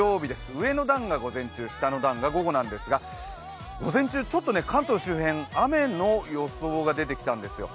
上の段が午前中、下の段が午後なんですが午前中、ちょっと関東周辺、雨の予想が出てきたんですよ。